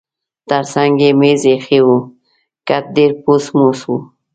ترڅنګ یې مېز اییښی و، کټ ډېر پوس موس و.